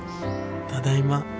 ただいま。